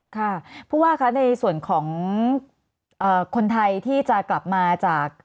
ค่ะผู้ว่าคะในส่วนของคนไทยที่จะกลับมาจาก